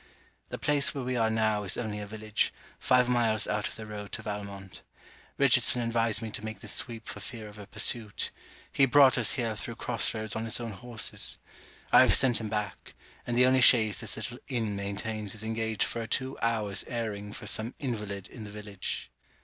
The place where we are now is only a village, five miles out of the road to Valmont. Richardson advised me to make this sweep for fear of a pursuit. He brought us here through cross roads on his own horses. I have sent him back; and the only chaise this little inn maintains is engaged for a two hours airing for some invalid in the village.